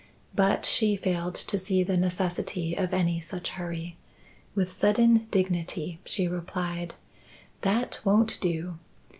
But she failed to see the necessity of any such hurry. With sudden dignity she replied: "That won't do.